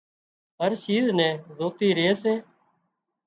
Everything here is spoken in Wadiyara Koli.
هر شيز نين زوتو ري سي